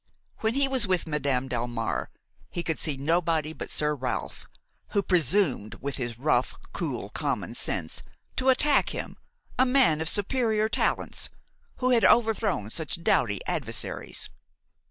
When he was with Madame Delmare, he could see nobody but Sir Ralph, who presumed, with his rough, cool common sense, to attack him, a man of superior talents, who had overthrown such doughty adversaries!